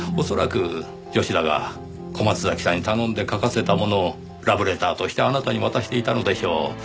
恐らく吉田が小松崎さんに頼んで書かせたものをラブレターとしてあなたに渡していたのでしょう。